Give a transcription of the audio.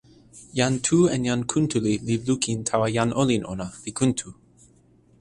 jan Tu en jan Kuntuli li lukin tawa jan olin ona, li kuntu.